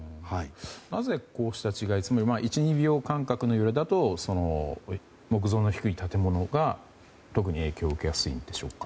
なぜこうした違い１２秒間隔の揺れだと木造の低い建物が特に影響を受けやすいんでしょうか。